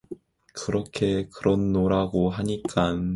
그래서 그렇노라고 하니깐